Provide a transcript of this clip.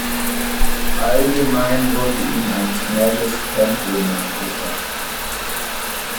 Allgemein wurde ihm ein schnelles Tempo nachgesagt.